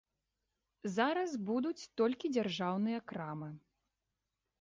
Зараз будуць толькі дзяржаўныя крамы.